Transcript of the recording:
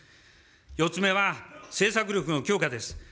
４つ目は、政策力の強化です。